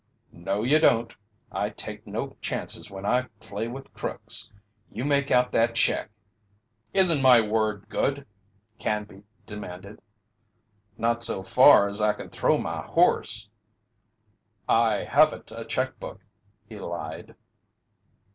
"No, you don't! I take no chances when I play with crooks. You make out that check." "Isn't my word good?" Canby demanded. "Not so far as I can throw my horse." "I haven't a check book," he lied.